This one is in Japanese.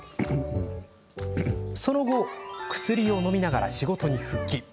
その後、薬をのみながら仕事に復帰。